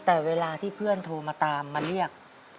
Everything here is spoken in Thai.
แต่เวลาที่เพื่อนโทรมาตามมาเรียก